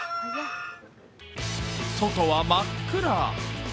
外は真っ暗。